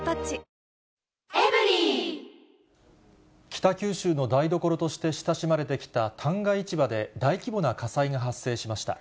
北九州の台所として親しまれてきた旦過市場で、大規模な火災が発生しました。